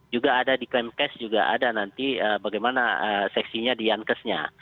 juga ada di kemkes juga ada nanti bagaimana seksinya di ankes nya